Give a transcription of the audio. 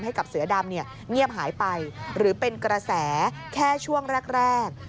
ให้กับเสือดำเงียบหายไปหรือเป็นกระแสแค่ช่วงแรก